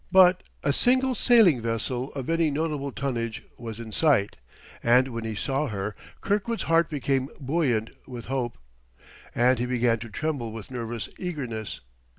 But a single sailing vessel of any notable tonnage was in sight; and when he saw her Kirkwood's heart became buoyant with hope, and he began to tremble with nervous eagerness.